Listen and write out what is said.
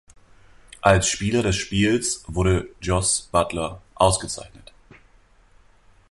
Als Spieler des Spiels wurde Jos Buttler ausgezeichnet.